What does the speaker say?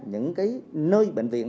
những cái nơi bệnh viện